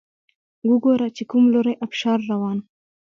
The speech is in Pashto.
وګوره چې کوم لوری ابشار روان